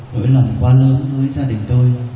đối lòng quá lớn với gia đình tôi